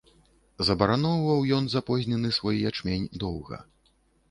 Забараноўваў ён запознены свой ячмень доўга.